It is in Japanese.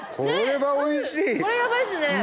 これやばいっすね！